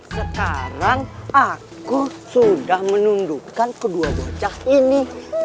sekarang aku sudah menundukkan kedua bocah ini